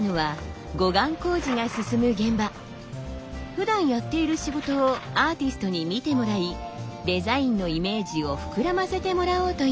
ふだんやっている仕事をアーティストに見てもらいデザインのイメージをふくらませてもらおうというのです。